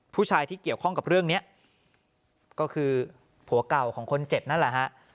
ผู้ชายที่เกี่ยวข้องกับเรื่องนี้ก็คือผัวเก่าของคนเจ็บนั่นแหละฮะ